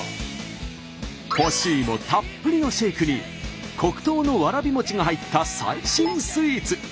干しいもたっぷりのシェイクに黒糖のわらび餅が入った最新スイーツ。